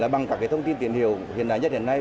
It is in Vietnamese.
bằng các cái thông tin tiền hiệu hiện đại nhất hiện nay